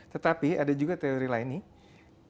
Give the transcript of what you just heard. tetapi ada juga teori lain nih